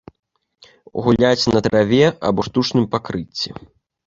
Гуляюць на траве або штучным пакрыцці.